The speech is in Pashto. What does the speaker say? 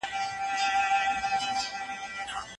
تر هغه چي دا نړۍ وي غریب بې ارزښته دی.